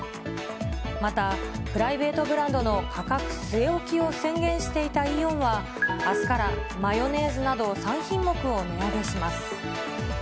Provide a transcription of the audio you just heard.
また、プライベートブランドの価格据え置きを宣言していたイオンは、あすからマヨネーズなど、３品目を値上げします。